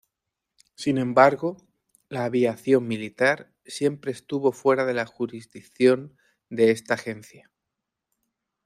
Sin embargo, la aviación militar siempre estuvo fuera de la jurisdicción de esta agencia.